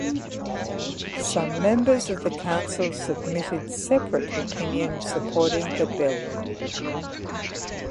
Some members of the Council submitted separate opinion supporting the bill.